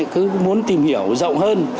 cứ muốn tìm hiểu rộng hơn